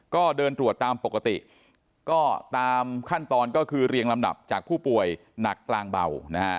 ก็เดินตรวจตามปกติก็ตามขั้นตอนก็คือเรียงลำดับจากผู้ป่วยหนักกลางเบานะฮะ